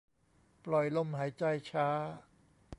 ปล่อยลมหายใจช้า